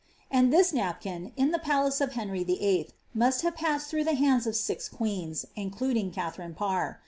And this napkin, in the palace if Henry VIII., must have passed through the hands of six queens^ in luding Katharine Parr.